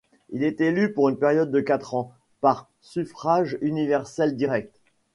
Il est élu pour une période de quatre ans par suffrage universel direct.